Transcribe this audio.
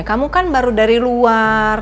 kamu kan baru dari luar